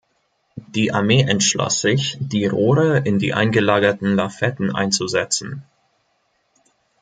Die Armee entschloss sich, die Rohre in die eingelagerten Lafetten einzusetzen.